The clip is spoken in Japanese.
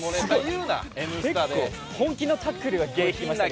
結構本気のタックルが来ましたけど。